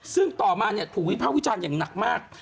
ซึ่งต่อมาถูกวิภาควิจารณ์อย่างหนักมาก